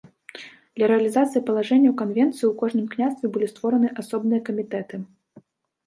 Для рэалізацыі палажэнняў канвенцыі ў кожным княстве былі створаны асобныя камітэты.